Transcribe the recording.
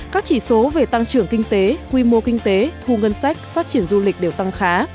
các chỉ số về tăng trưởng kinh tế quy mô kinh tế thu ngân sách phát triển du lịch đều tăng khá